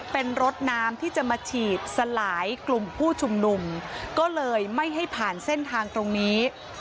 เป็นรถน้ำที่จะมาฉีดสลายกลุ่มผู้ชุมนุมก็เลยไม่ให้ผ่านเส้นทางตรงนี้